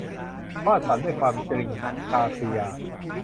วาดฝันด้วยความจริง - ชาครียา